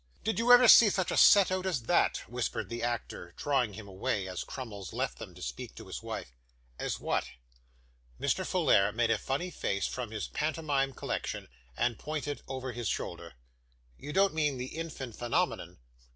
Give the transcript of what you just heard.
'Did you ever see such a set out as that?' whispered the actor, drawing him away, as Crummles left them to speak to his wife. 'As what?' Mr. Folair made a funny face from his pantomime collection, and pointed over his shoulder. 'You don't mean the infant phenomenon?